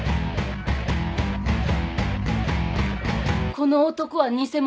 この男は偽者。